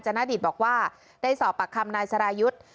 ณดิตบอกว่าได้สอบปากคำนายสรายุทธ์